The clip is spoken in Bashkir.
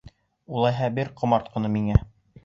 Улайһа, бир ҡомартҡыны миңә.